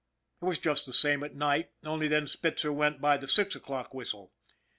It was just the same at night, only then Spitzer went by the six o'clock whistle.